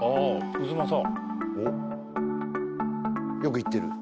太秦よく行ってる？